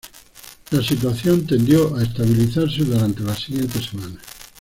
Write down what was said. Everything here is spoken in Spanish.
La situación tendió a estabilizarse durante las siguientes semanas.